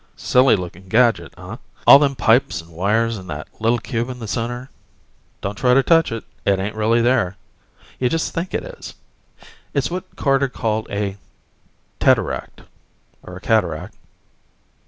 Silly looking gadget, huh? All them pipes and wires and that little cube in the center ... don't try to touch it, it ain't really there. You just think it is. It's what Carter called a teteract, or a cataract